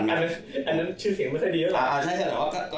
อ๋ออันนั้นชื่อเสียงไม่ค่อยดีแล้ว